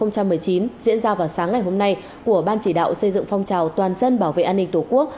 năm hai nghìn một mươi chín diễn ra vào sáng ngày hôm nay của ban chỉ đạo xây dựng phong trào toàn dân bảo vệ an ninh tổ quốc